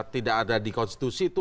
tidak ada di konstitusi itu